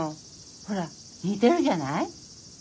ほら似てるじゃない。